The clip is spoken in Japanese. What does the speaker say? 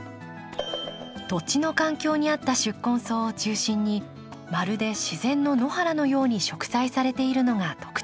土地の環境に合った宿根草を中心にまるで自然の野原のように植栽されているのが特徴です。